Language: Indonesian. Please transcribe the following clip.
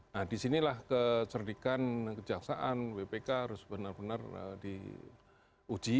nah disinilah kecerdikan kejaksaan bpk harus benar benar diuji